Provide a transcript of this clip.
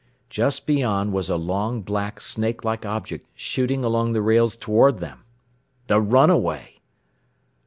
Just beyond was a long, black, snake like object, shooting along the rails toward them. The runaway!